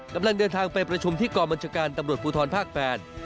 กำลังเดินทางไปประชุมที่กองบัญชาการตำรวจภูทรภาคแปด